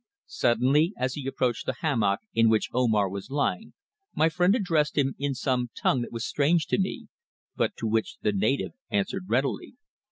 Suddenly, as he approached the hammock in which Omar was lying, my friend addressed him in some tongue that was strange to me, but to which the native answered readily.